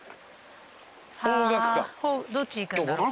どっち行くんだろ？